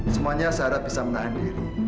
semuanya saya harap bisa menahan diri